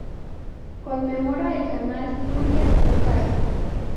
Conmemora el canal Túria-Júcar.